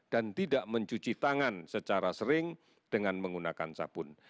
dan tidak mencuci tangan secara sering dengan menggunakan sabun